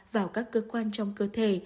vào các cơ quan trong cơ thể